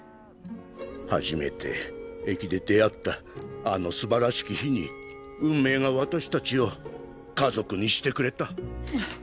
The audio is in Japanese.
初めて駅で出会ったあのすばらしき日に運命が私たちを家族にしてくれた。